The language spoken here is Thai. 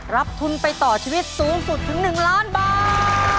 รับทุนไปต่อชีวิตสูงสุดถึง๑ล้านบาท